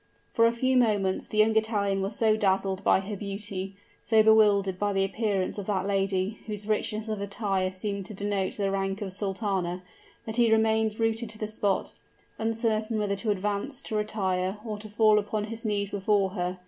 For a few moments the young Italian was so dazzled by her beauty, so bewildered by the appearance of that lady, whose richness of attire seemed to denote the rank of sultana, that he remained rooted to the spot, uncertain whether to advance, to retire, or to fall upon his knees before her.